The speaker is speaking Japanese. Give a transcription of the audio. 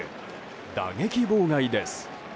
打撃妨害です。